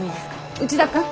内田君。